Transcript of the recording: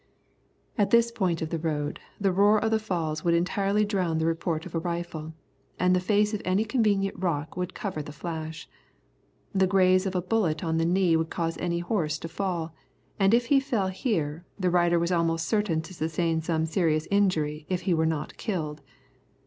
At this point of the road, the roar of the falls would entirely drown the report of a rifle, and the face of any convenient rock would cover the flash. The graze of a bullet on the knee would cause any horse to fall, and if he fell here, the rider was almost certain to sustain some serious injury if he were not killed.